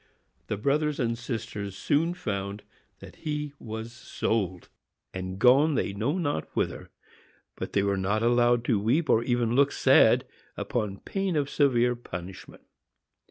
The brothers and sisters soon found that he was sold, and gone they knew not whither; but they were not allowed to weep, or even look sad, upon pain of severe punishment.